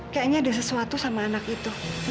kayaknya ada sesuatu sama anak itu